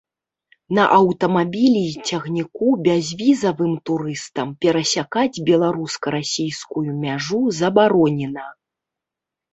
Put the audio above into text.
На аўтамабілі і цягніку бязвізавым турыстам перасякаць беларуска-расійскую мяжу забаронена.